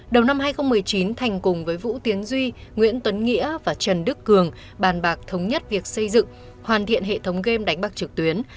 đầu năm hai nghìn một mươi chín thành cùng với vũ tiến duy nguyễn tuấn nghĩa và trần đức cường bàn bạc thống nhất việc xây dựng hoàn thiện hệ thống game đánh bạc trực tuyến